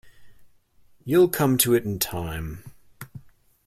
You’ll come to it in time.